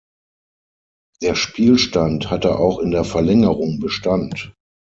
Der Spielstand hatte auch in der Verlängerung Bestand.